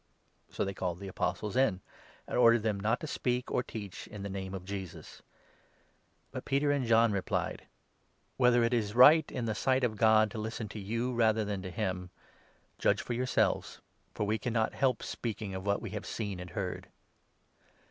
So they called the Apostles in, and ordered them not to 18 speak or teach in the Name of Jesus. But Peter and John 19 replied : 11 Ps. 118. 21—22. 12 Enoch 4. 2. 220 THE ACTS, 4. "Whether it is right, in the sight of God, to listen to you rather than to him — judge for yourselves, for we cannot help 20 speaking of what we have seen and heard."